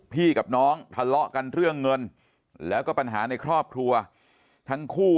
กับน้องทะเลาะกันเรื่องเงินแล้วก็ปัญหาในครอบครัวทั้งคู่